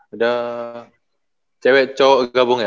ada cewek cowok gabung ya